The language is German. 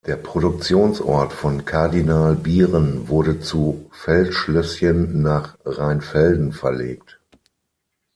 Der Produktionsort von Cardinal-Bieren wurde zu Feldschlösschen nach Rheinfelden verlegt.